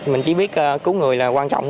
mình chỉ biết cứu người là quan trọng